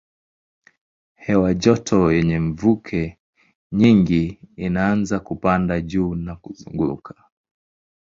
Hewa joto yenye mvuke nyingi inaanza kupanda juu na kuzunguka.